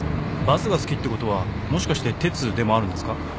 バスが好きってことはもしかしてテツでもあるんですか？